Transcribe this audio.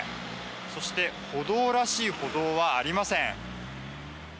そして歩道らしい歩道はありません。